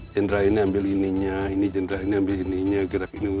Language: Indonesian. jenderal ini ambil ininya ini jenderal ini ambil ininya gerak ini